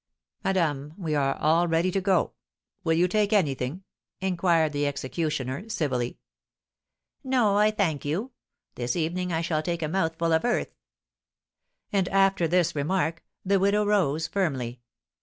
"Madame, we are all ready to go. Will you take anything?" inquired the executioner, civilly. "No, I thank you; this evening I shall take a mouthful of earth." And after this remark the widow rose firmly.